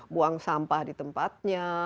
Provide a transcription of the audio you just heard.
buang sampah di tempatnya